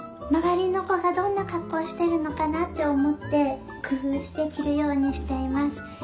周りの子がどんな格好してるのかなって思って工夫して着るようにしています。